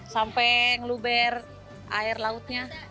sampai ngeluber air lautnya